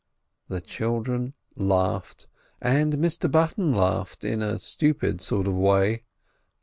The children laughed, and Mr Button laughed in a stupid sort of way.